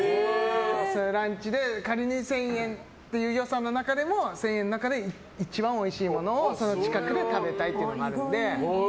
ランチで仮に１０００円っていう予算の中でも１０００円の中で一番おいしいものをその近くで食べたいっていうのがあるので。